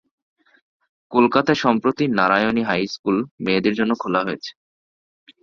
কলকাতায় সম্প্রতি Narayani high school মেয়েদের জন্যে খোলা হয়েছে।